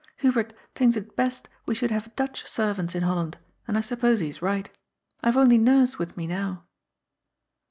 Hubert thinks it best we should have Dutch servants in Holland, and I suppose he is right. I have only Nurse with me now."